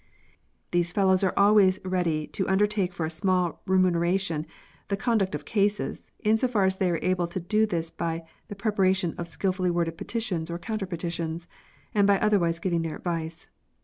These fellows are always ready to undertake for a small remuneration the conduct of cases, in so far as they are able to do this by the preparation of skil fully worded petitions or counter petitions, and by otherwise giving their advice.